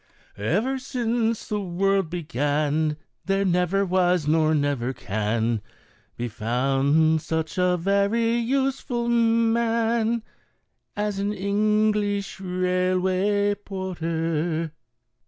11 ) Ever since the world began There never was, nor never can Be found such a very useful man As an English railway porter.